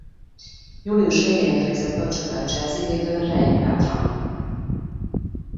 Július végén érkezett kölcsönbe a Chelsea-védő Ryan Bertrand.